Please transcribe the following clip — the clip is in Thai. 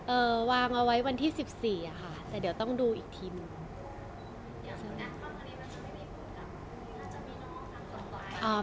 วางเอาไว้วันที่สิบสี่อ่ะค่ะแต่เดี๋ยวต้องดูอีกทีหนึ่ง